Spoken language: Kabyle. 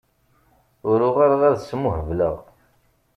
Ur uɣaleɣ ad smuhebleɣ.